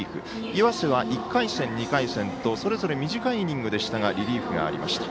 岩瀬は１回戦、２回戦とそれぞれ短いイニングでしたがリリーフがありました。